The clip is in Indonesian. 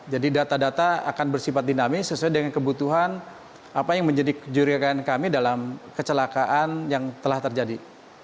jadi data data akan bersifat dinamis sesuai dengan kebutuhan apa yang menjadi kejurikan kami dalam kecelakaan yang telah terjadi